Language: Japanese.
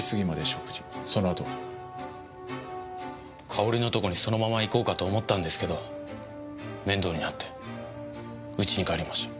かおりのとこにそのまま行こうかと思ったんですけど面倒になってうちに帰りました。